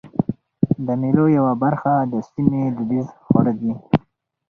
د مېلو یوه برخه د سیمي دودیز خواړه دي.